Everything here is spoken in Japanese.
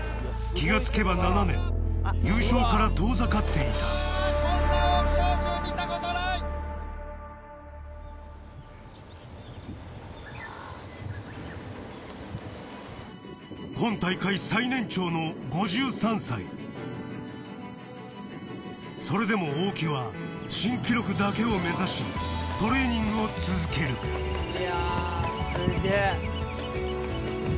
気が付けば７年優勝から遠ざかっていた・こんな大木祥資を見た事ない・今大会最年長の５３歳それでも大木は新記録だけを目指しトレーニングを続けるいやすっげぇ。